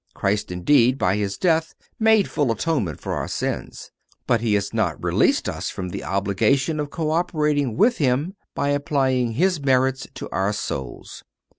Christ, indeed, by His death made full atonement for our sins, but He has not released us from the obligation of co operating with Him by applying His merits to our souls.